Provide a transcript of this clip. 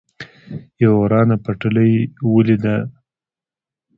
یوه ورانه پټلۍ ولیده، اړیکي یې ویجاړ شوي او لاندې لوېدلي و.